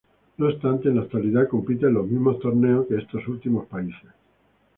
No obstante, en la actualidad, compite en los mismos torneos que estos últimos países.